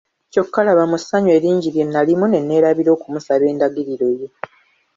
Kyokka laba mu ssanyu eringi lye nalimu ne neerabira okumusaba endagiriro ye.